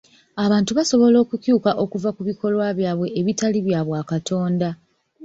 Abantu basobola okukyuka okuva ku bikolwa byabwe ebitali bya bwa katonda.